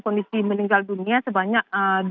kondisi meninggal dunia sebanyak